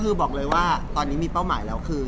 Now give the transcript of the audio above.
คือบอกเลยว่าตอนนี้มีเป้าหมายแล้วคือ